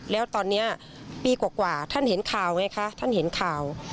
แล้วตอนนี้ปีกว่าท่านเห็นข่าวไงคะท่านเห็นข่าว